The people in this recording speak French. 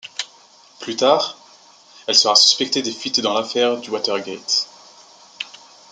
Plus tard, elle sera suspectée des fuites dans l'affaire du Watergate.